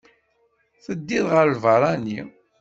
Teddiḍ ɣer lbeṛṛani?